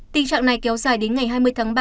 tình trạng này kéo dài đến ngày hai mươi tháng ba